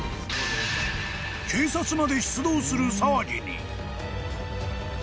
［警察まで出動する騒ぎに］